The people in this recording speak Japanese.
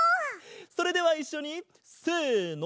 それではいっしょにせの。